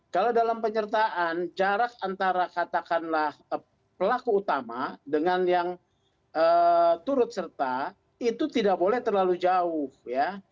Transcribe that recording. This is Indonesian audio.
kalau dalam penyertaan jarak antara katakanlah pelaku utama dengan yang turut serta itu tidak boleh terlalu jauh ya